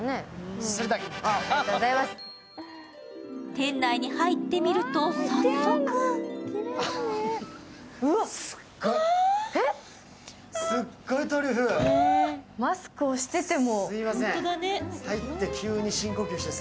店内に入ってみると、早速マスクをしてても。